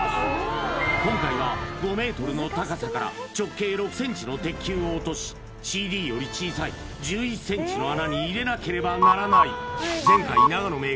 今回は５ｍの高さから直径６ｃｍの鉄球を落としＣＤより小さい１１ｃｍの穴に入れなければならない前回永野芽